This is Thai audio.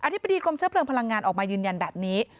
ธิบดีกรมเชื้อเพลิงพลังงานออกมายืนยันแบบนี้